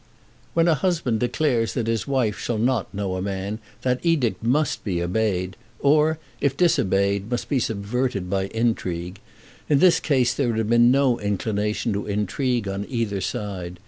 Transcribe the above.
When a husband declares that his wife shall not know a man, that edict must be obeyed, or, if disobeyed, must be subverted by intrigue. In this case there had been no inclination to intrigue on either side.